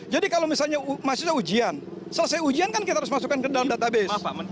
jadi kalau misalnya mahasiswa ujian selesai ujian kan kita harus masukkan ke dalam database